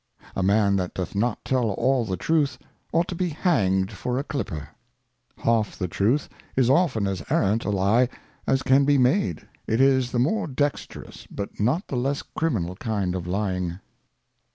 A Man that doth not tell all the Truth, ought to be hanged for a Clipper. Half the Truth is often as arrant a Lye, as can be made. It is the more dexterous, but not the less criminal kind of Lying.